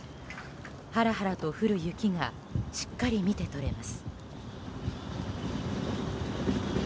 はらはらと降る雪がしっかり見て取れます。